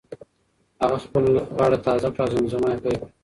هغه خپله غاړه تازه کړه او زمزمه یې پیل کړه.